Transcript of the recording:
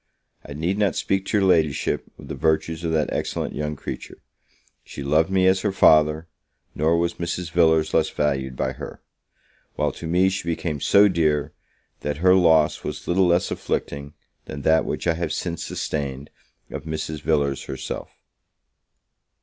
I need not speak to your Ladyship of the virtues of that excellent young creature. She loved me as her father; nor was Mrs. Villars less valued by her; while to me she became so dear, that her loss was little less afflicting than that which I have since sustained of Mrs. Villars herself.